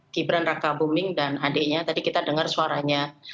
gibran raka buming dan adiknya tadi kita dengar suaranya